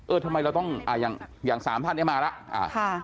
ทำไมเราต้องอย่างสามท่านเนี่ยมาแล้ว